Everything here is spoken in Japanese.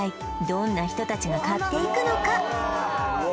どんな人たちが買っていくのか？